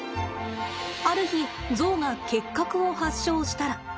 ある日ゾウが結核を発症したら。